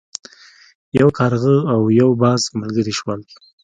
یو کارغه او یو باز ملګري شول.